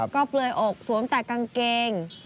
ก็เปลือยอกสวมแต่กางเกง